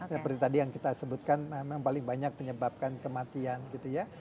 seperti tadi yang kita sebutkan memang paling banyak menyebabkan kematian gitu ya